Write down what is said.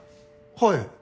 はい。